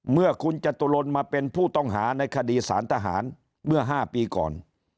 เมื่อคุณจตุรนมาเป็นผู้ต้องหาในคดีสารทหารเมื่อ๕ปีก่อน